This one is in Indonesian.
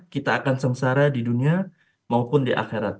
kita akan sengsara di dunia maupun di akhirat